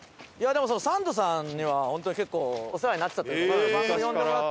でもサンドさんには本当に結構お世話になってたというか番組呼んでもらってて。